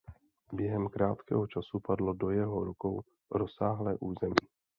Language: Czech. Během krátkého času padlo do jeho rukou rozsáhlé území.